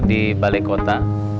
di balai kota